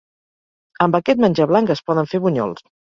Amb aquest menjar blanc es poden fer bunyols.